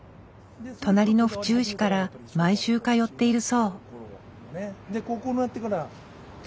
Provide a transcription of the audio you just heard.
隣の府中市から毎週通っているそう。